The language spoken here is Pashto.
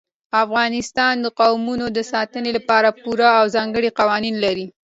افغانستان د قومونه د ساتنې لپاره پوره او ځانګړي قوانین لري.